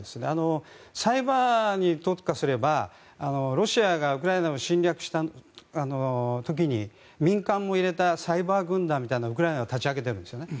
サイバーに特化すればロシアがウクライナを侵略した時に民間も入れたサイバー軍団みたいなのをウクライナは立ち上げているんですね。